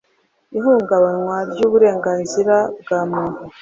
ihungabanywa ry uburenganzira bwa muntu